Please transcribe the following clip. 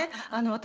私